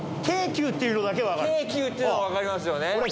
京急っていうのは分かりますよね。